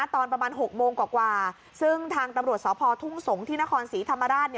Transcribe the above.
ตอนประมาณ๖โมงกว่าซึ่งทางตำรวจสพทุ่งสงศ์ที่นครศรีธรรมราช